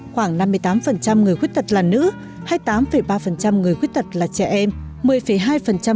khoảng năm mươi tám người khuyết tật là nữ hai mươi tám ba người khuyết tật là trẻ em